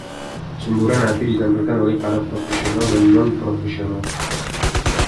Semburan api ditampilkan oleh para profesional dan non-profesional.